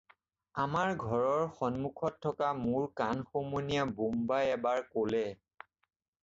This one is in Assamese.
আমাৰ ঘৰৰ সন্মুখত থকা মোৰ কান সমনীয়া বুম্বাই এবাৰ ক'লে।